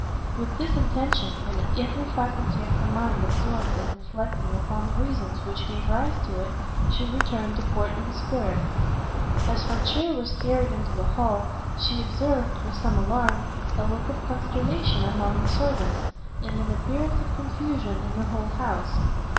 With this intention, and every faculty of her mind absorbed in reflecting upon the reasons which gave rise to it, she returned to Portman square. As her chair was carried into the hall, she observed, with some alarm, a look of consternation among the servants, and an appearance of confusion in the whole house.